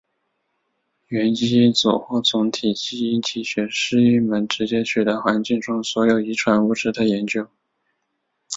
元基因组或总体基因体学是一门直接取得环境中所有遗传物质的研究。